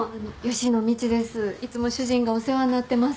いつも主人がお世話になってます。